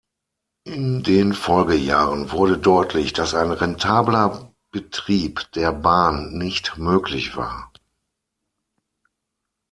In den Folgejahren wurde deutlich, dass ein rentabler Betrieb der Bahn nicht möglich war.